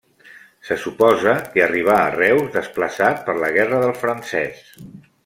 Se suposa que arribà a Reus desplaçat per la guerra del Francès.